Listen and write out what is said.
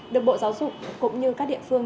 được bộ giáo dục cũng như các địa phương